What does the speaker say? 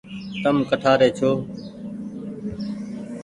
تم ڪٺآري ڇو۔